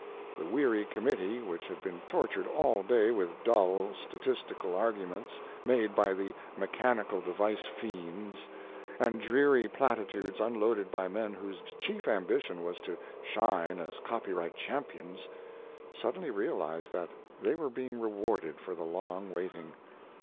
The weary committee, which had been tortured all day with dull, statistical arguments made by the mechanical device fiends, and dreary platitudes unloaded by men whose chief ambition was to shine as copyright champions, suddenly realized that they were being rewarded for the long waiting.